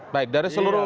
baik dari seluruh